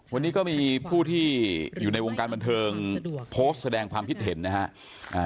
วันนี้ก็มีผู้ที่อยู่ในวงการบันเทิงโพสต์แสดงความคิดเห็นนะฮะ